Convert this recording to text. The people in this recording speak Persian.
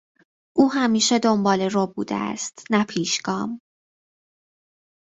او همیشه دنبالهرو بوده است نه پیشگام.